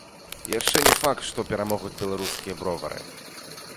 І яшчэ не факт, што перамогуць беларускія бровары.